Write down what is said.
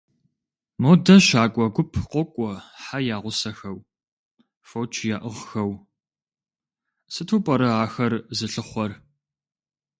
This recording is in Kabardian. Модэ щакӀуэ гуп къокӀуэ хьэ ягъусэхэу, фоч яӀыгъхэу, сыту пӀэрэ ахэр зылъыхъуэр?